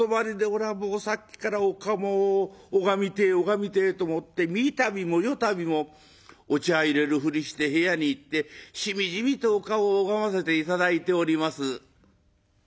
おらもうさっきからお顔を拝みてえ拝みてえと思って三度も四度もお茶いれるふりして部屋に行ってしみじみとお顔を拝ませて頂いております」。